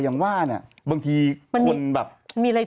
ต้องมีแต่คนในโซเชียลว่าถ้ามีข่าวแบบนี้บ่อยทำไมถึงเชื่อขนาดใด